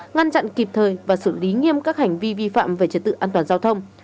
ngăn chặn kịp thời và xử lý nghiêm các hành vi vi phạm về trật tự an toàn giao thông